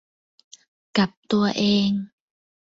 กับตัวเอง